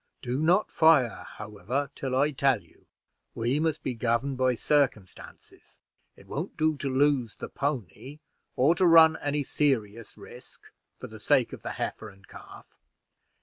Do not fire, however, until I tell you. We must be governed by circumstances. It won't do to lose the pony, or to run any serious risk, for the sake of the heifer and calf.